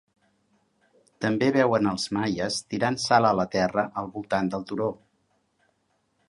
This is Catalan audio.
També veuen els maies tirant sal a la terra al voltant del turó.